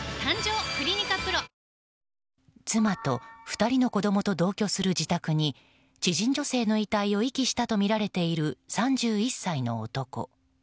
妻と２人の子供と同居する自宅に知人女性の遺体を遺棄したとみられている３１歳の男。